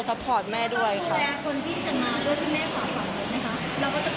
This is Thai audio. ซัพพอร์ตแม่ด้วยค่ะคนที่จะมาด้วยที่แม่ขวาขวาเลยไหมค่ะ